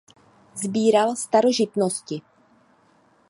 Sbíral starožitnosti.